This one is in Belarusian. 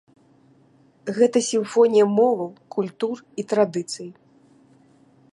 Гэта сімфонія моваў, культур і традыцый.